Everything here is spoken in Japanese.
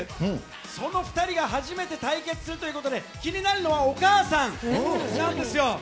その２人が初めて対決するということで、気になるのはお母さんなんですよ。